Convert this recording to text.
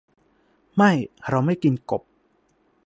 ไม่ เราไม่กินกบ